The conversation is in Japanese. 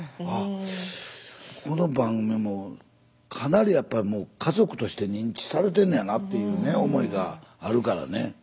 あこの番組もかなりやっぱもう家族として認知されてんねやなっていうね思いがあるからね。